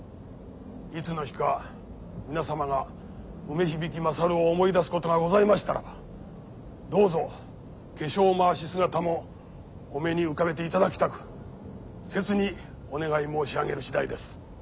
いつの日か皆様が梅響勝を思い出すことがございましたらどうぞ化粧まわし姿もお目に浮かべていただきたく切にお願い申し上げる次第です。